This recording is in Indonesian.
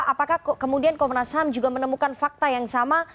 apakah kemudian komnas ham juga menemukan fakta yang sama